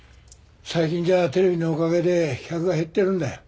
最近じゃテレビのおかげで客が減ってるんだよ。